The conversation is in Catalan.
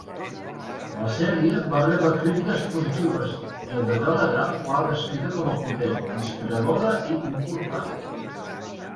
La sèrie va rebre crítiques positives, i el The Telegraph la ha descrita com a potent, inspiradora i important.